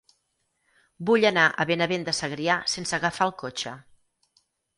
Vull anar a Benavent de Segrià sense agafar el cotxe.